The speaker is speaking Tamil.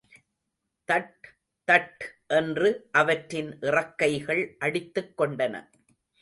தட் தட் என்று அவற்றின் இறக்கைகள் அடித்துக் கொண்டன.